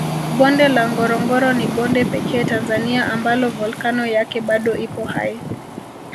Bonde la Ngorongoro ni bonde pekee Tanzania ambalo volkano yake bado ipo hai